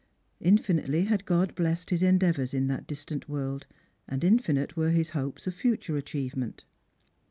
Infinitely had God blest his endeavours in that distant world, and infinite were his hopes of future achievement.